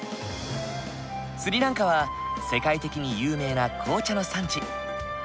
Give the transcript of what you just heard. スリランカは世界的に有名な紅茶の産地。